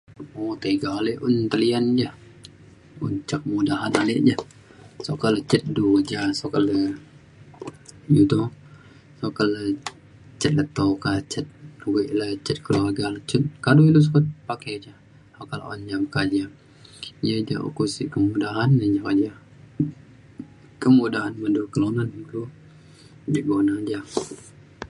um tiga alek un belian ja. un ca kemudahan alek je sukat ilu chat du ja sukat le, u to, sukat le chat leto ka chat we' le chat keluarga le chat kado ilu sukat pake ja oka le un ja meka ja. ia ja oko ukuk sik kemudahan ne ja keja. kemudahan me du kelunan de' gona ja.